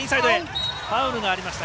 ファウルがありました。